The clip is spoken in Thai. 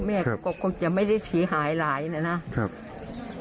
แม่ก็จะไม่ได้ฉีดหายหลายนะนะ